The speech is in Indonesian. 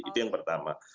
itu yang pertama